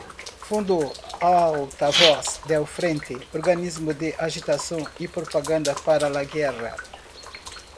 Fundó "Altavoz del Frente", organismo de agitación y propaganda para la guerra.